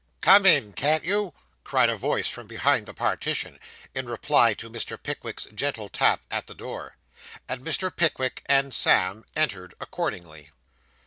'Come in, can't you!' cried a voice from behind the partition, in reply to Mr. Pickwick's gentle tap at the door. And Mr. Pickwick and Sam entered accordingly.